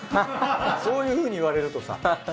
そういうふうに言われるとさ。